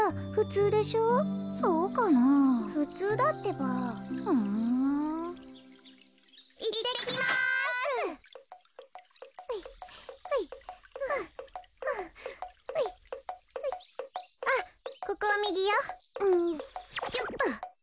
うんしょっと。